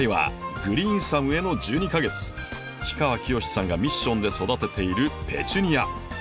氷川きよしさんがミッションで育てているペチュニア。